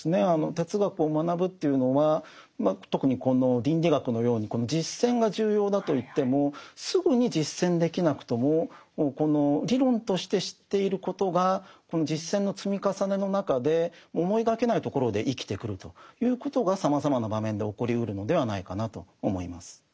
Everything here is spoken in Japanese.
哲学を学ぶというのは特にこの倫理学のように実践が重要だといってもすぐに実践できなくともこの理論として知っていることがこの実践の積み重ねの中で思いがけないところで生きてくるということがさまざまな場面で起こりうるのではないかなと思います。